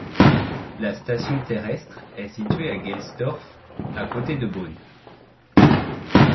La station terrestre est située à Gelsdorf, à côté de Bonn.